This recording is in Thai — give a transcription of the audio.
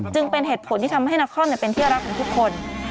จึงเป็นเหตุผลที่ทำให้นักคล่อนเป็นเที่ยวรักของทุกคน